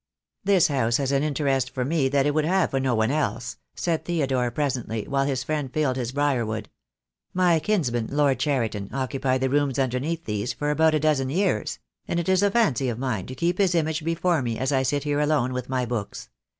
"This house has an interest for me that it would have for no one else," said Theodore, presently, while his friend filled his briar wood. "My kinsman, Lord Cheriton, occupied the rooms underneath these for about a dozen years; and it is a fancy of mine to keep his image be fore me as I sit here alone with my books.